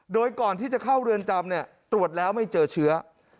โดยก่อนที่จะเข้าเรือนจำตรวจแล้วไม่เจอเชื้อ